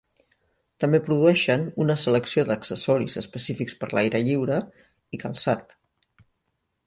També produeixen una selecció d'accessoris específics per l'aire lliure i calçat.